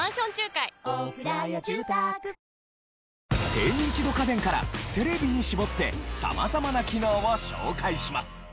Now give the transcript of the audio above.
低ニンチド家電からテレビに絞って様々な機能を紹介します。